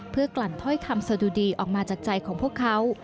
เพื่อกลั่นถ้อยคำสะดุดีออกมาจากใจของพวกเขา